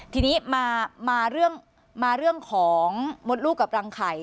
ทีนี้มาเรื่องของมดลูกกับรังไข่